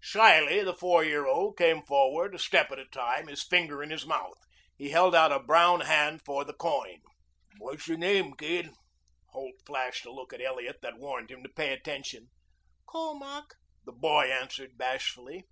Shyly the four year old came forward, a step at a time, his finger in his mouth. He held out a brown hand for the coin. "What's your name, kid?" Holt flashed a look at Elliot that warned him to pay attention. "Colmac," the boy answered bashfully.